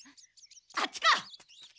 あっちか！